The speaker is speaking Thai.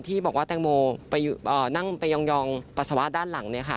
ที่บอกว่าแตงโมนั่งไปยองปัสสาวาสด้านหลังเนี่ยค่ะ